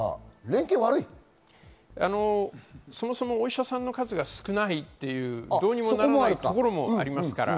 そもそもお医者さんの数が少ない、どうにもならないところもあります。